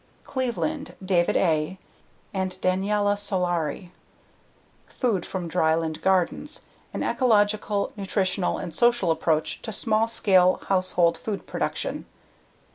Cleveland, David A., and Daniela Soleri. _Food from Dryland Gardens: An Ecological, Nutritional and Social Approach to Small Scale Household Food Production.